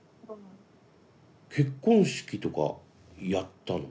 結婚式とかやったの？